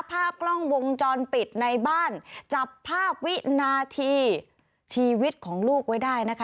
ภาพกล้องวงจรปิดในบ้านจับภาพวินาทีชีวิตของลูกไว้ได้นะคะ